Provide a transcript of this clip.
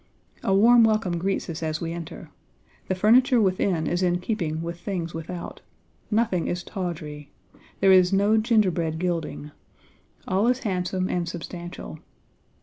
"A warm welcome greets us as we enter. The furniture within is in keeping with things without; nothing is tawdry; there is no gingerbread gilding; all is handsome and substantial.